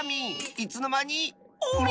いつのまに⁉もう！